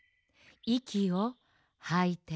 いきをはいて。